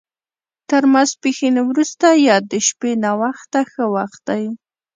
تر ماسپښین وروسته یا د شپې ناوخته ښه وخت دی.